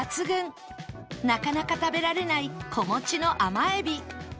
なかなか食べられない子持ちの甘えび